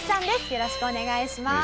よろしくお願いします。